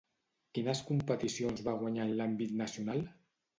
Quines competicions va guanyar en l'àmbit nacional?